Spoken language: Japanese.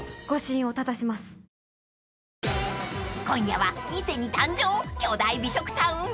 ［今夜は］